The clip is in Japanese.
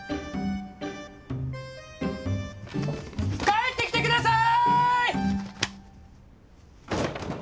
帰ってきて下さい！